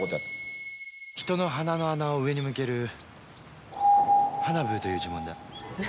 人の鼻の穴を上に向けるハナブーという呪文だ。